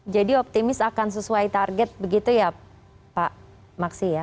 jadi optimis akan sesuai target begitu ya pak maksi ya